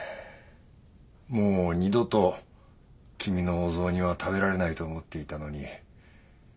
もう二度と君のお雑煮は食べられないと思っていたのに。